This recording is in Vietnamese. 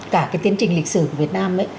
cả cái tiến trình lịch sử của việt nam